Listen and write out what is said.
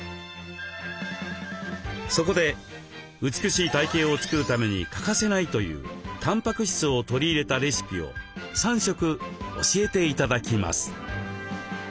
そこで美しい体形を作るために欠かせないというたんぱく質を取り入れたレシピを３食教えて頂きます。